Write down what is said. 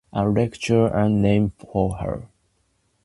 A lecture was named for her.